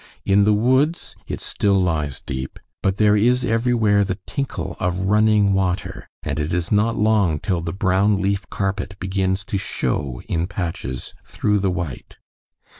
In the woods it still lies deep; but there is everywhere the tinkle of running water, and it is not long till the brown leaf carpet begins to show in patches through the white.